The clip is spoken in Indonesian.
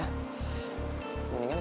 mendingan kita hukum dia di keluarga